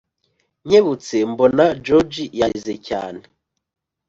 nkebutse mbona george yarize cyane